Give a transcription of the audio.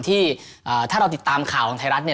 ที่ถ้าเราติดตามข่าวของไทยรัฐ